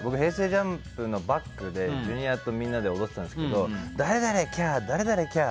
ＪＵＭＰのバックでＪｒ．のみんなで踊ってたんですけど誰々キャー！